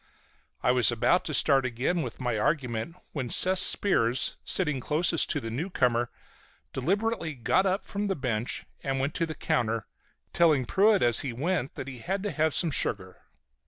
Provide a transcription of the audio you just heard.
I was about to start again with my argument when Seth Spears, sitting closest to the newcomer, deliberately got up from the bench and went to the counter, telling Pruett as he went that he had to have some sugar.